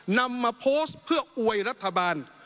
นำมาโพสต์เพื่ออวยรัฐบาล